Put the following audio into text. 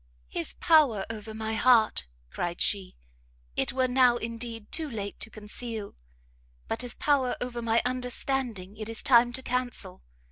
"His power over my heart," cried she, "it were now, indeed, too late to conceal, but his power over my understanding it is time to cancel.